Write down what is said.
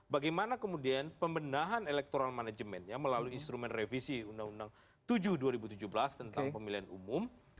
bagaimana kemudian pembenahan electoral managementnya melalui instrumen revisi undang undang tujuh dua ribu tujuh belas tentang pemilihan umum